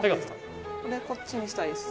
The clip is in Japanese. こっちにしたいです。